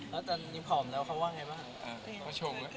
แล้วตอนนี้ผอมแล้วเขาว่าไงบ้าง